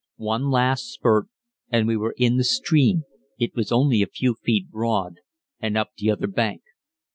One last spurt and we were in the stream (it was only a few feet broad), and up the other bank.